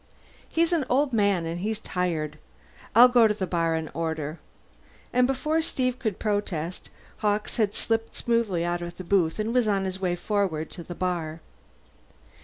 "He's an old man and he's tired. I'll go to the bar and order." And before Steve could protest, Hawkes had slipped smoothly out of the booth and was on his way forward to the bar.